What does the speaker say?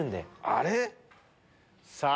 あれ⁉さぁ